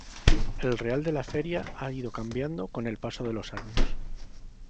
El Real de la Feria ha ido cambiando con el paso de los años.